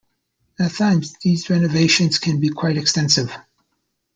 At times, these renovations can be quite extensive.